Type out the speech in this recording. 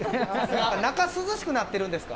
中涼しくなってるんですか？